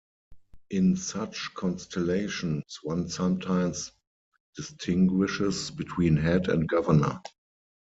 In such constellations, one sometimes distinguishes between "head" and "governor".